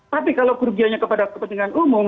tapi kalau kerugiannya kepada kepentingan umum